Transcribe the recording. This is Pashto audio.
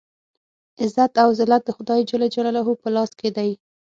عزت او ذلت د خدای جل جلاله په لاس کې دی.